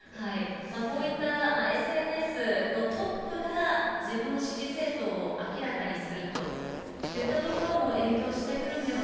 こういったＳＮＳのトップが、自分の支持政党を明らかにするといったところも影響してくるんでこれ、